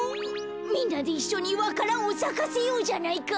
みんなでいっしょにわか蘭をさかせようじゃないか。